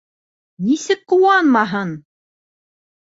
Нисек ҡыуанмаһын!